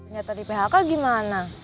nyata di phk gimana